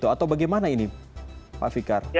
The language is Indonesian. atau bagaimana ini pak fikar